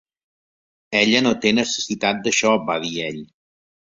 "Ella no té necessitat d'això", va dir ell.